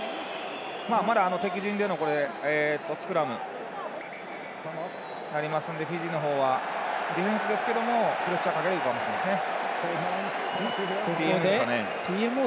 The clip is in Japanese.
まだ敵陣でのスクラムになりますのでフィジーの方はディフェンスですけどプレッシャーかけれるかもしれないですね。